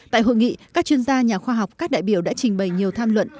tại hội nghị các chuyên gia nhà khoa học các đại biểu đã trình bày nhiều tham luận